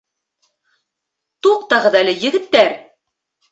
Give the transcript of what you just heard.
Туҡтағыҙ әле, егеттәр!